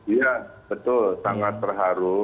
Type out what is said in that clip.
iya betul sangat terharu